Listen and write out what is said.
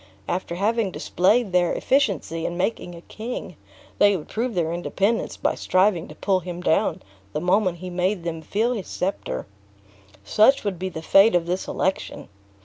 After having displayed their efficiency in making a king, they would prove their independence by striving to pull him down the moment he made them feel his specter. "Such would be the fate of this election.